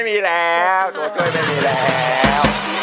มองหน้าลูกนะฮะมองหน้าลูกให้ดี